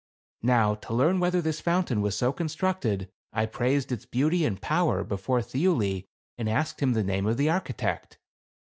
Now to learn whether this fount ain was so constructed, I praised its beauty and power before Thiuli and asked him the name of the architect.